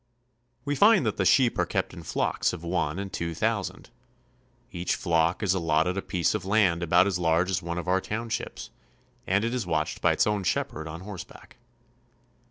We find that the sheep are kept in flocks of one and two thousand. Each flock is allotted a piece of land about as large as one of our townships, and it is watched by its own shepherd on horseback.